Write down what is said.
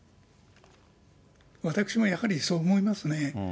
私もやはりそう思いますね。